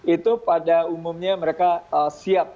itu pada umumnya mereka siap